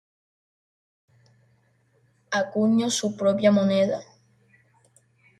Acuñó su propia moneda.